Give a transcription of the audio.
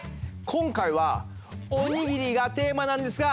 今回は「おにぎり」がテーマなんですが。